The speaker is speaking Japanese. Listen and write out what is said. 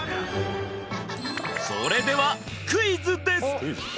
それではクイズです！